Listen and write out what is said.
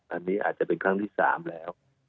อันนี้อาจจะเป็นครั้งที่๓แล้ว